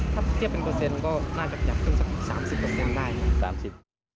ถ้าเปรียบเป็นโปเซ็นต์ก็น่าจะเป็นสัก๓๐ได้